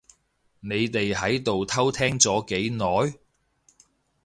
你哋喺度偷聽咗幾耐？